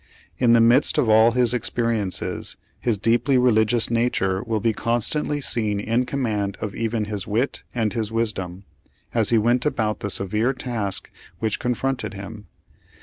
In the midst of all of his experiences, his deeply reli gious nature will be constantly seen in command of even his wit and his wisdom, as he went about the severe task which confronted him.